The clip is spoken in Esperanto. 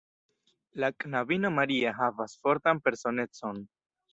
La knabino Maria havas fortan personecon.